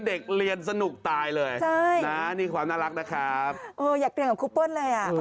เด็กเรียนสนุกตายเลยใช่นะนี่ความน่ารักนะครับเอออยากเรียนกับครูเปิ้ลเลยอ่ะ